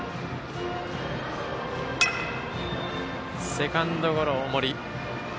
セカンドゴロ、大森。